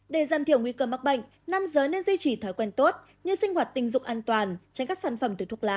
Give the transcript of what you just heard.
để giảm thiểu nguy cơ mắc bệnh nam giới nên duy trì thói quen tốt như sinh hoạt tình dục an toàn tránh các sản phẩm từ thuốc lá